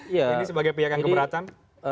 ini sebagai pihak yang keberatan